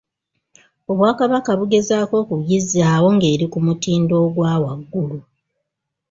Obwakabaka bugezaako okugizzaawo ng'eri ku mutindo ogwa waggulu.